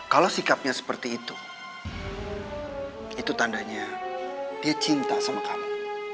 kalau sikapnya seperti itu itu tandanya dia cinta sama kami